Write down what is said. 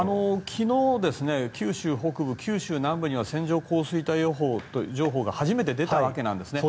昨日、九州北部九州南部には線状降水帯予報が初めて出たわけなんですね。